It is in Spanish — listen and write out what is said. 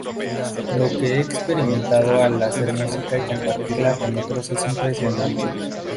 Lo que he experimentado al hacer música y compartirla con otros es impresionante.